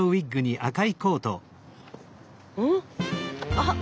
あっ！